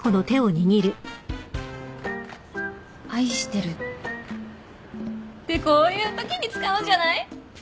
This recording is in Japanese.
愛してるってこういうときに使うんじゃない？